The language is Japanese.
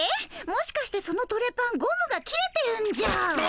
もしかしてそのトレパンゴムが切れてるんじゃ？